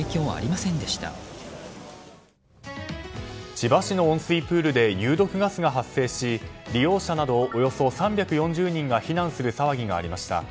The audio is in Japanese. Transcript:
千葉市の温水プールで有毒ガスが発生し利用者などおよそ３４０人が避難する騒ぎがありました。